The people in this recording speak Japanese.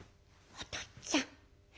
おとっつぁん！」。